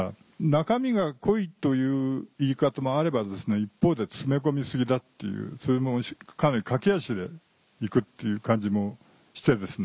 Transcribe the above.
中身が濃いという言い方もあれば一方で詰め込み過ぎだっていうそれもかなり駆け足でいくっていう感じもしてですね。